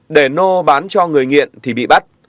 để nô bán cho người nghiện thì bị bắt